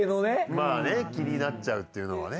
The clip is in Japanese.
まあね気になっちゃうっていうのはね。